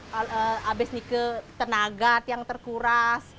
habis nike tenaga tiang terkuras